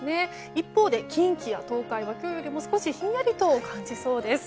一方で近畿や東海は今日よりも少しひんやりと感じそうです。